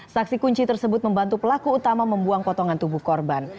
saksi kunci tersebut membantu pelaku utama membuang potongan tubuh korban